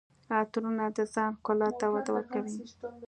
عطرونه د ځان ښکلا ته وده ورکوي.